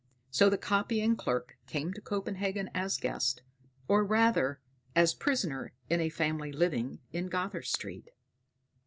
So the copying clerk came to Copenhagen as guest, or rather as prisoner in a family living in Gother Street.